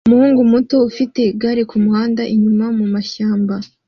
Umuhungu muto ufite igare kumuhanda unyura mumashyamba